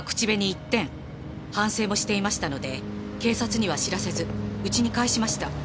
反省もしていましたので警察には報せず家に帰しました。